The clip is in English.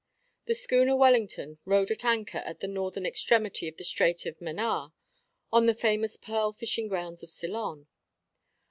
The schooner Wellington rode at anchor at the northern extremity of the Strait of Manaar, on the famous pearl fishing grounds of Ceylon.